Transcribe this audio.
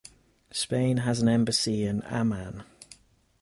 Spain has an embassy in Amman.